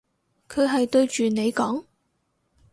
佢係對住你講？